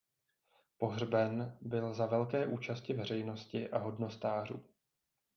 Pohřben byl za velké účasti veřejnosti a hodnostářů.